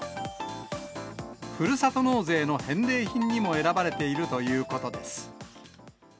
ふるさと納税の返礼品にも選ばれているということです。